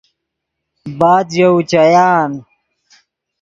بعد ژے اوچیان